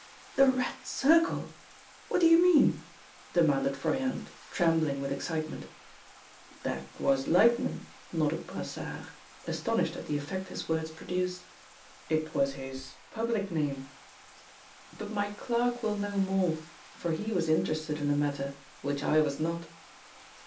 "The Red Circle! What do you mean?" demanded Froyant, trembling with excitement. "That was Lightman," nodded Brassard, astonished at the effect his words produced. "It was his public name. But my clerk will know more, for he was interested in the matter, which I was not."